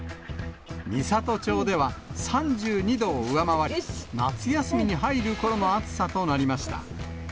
美郷町では、３２度を上回り、夏休みに入るころの暑さとなりました。